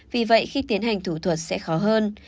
vì vậy khi tiến hành thủ thuật sẽ khó hơn